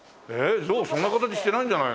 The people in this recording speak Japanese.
ゾウそんな形してないんじゃないの？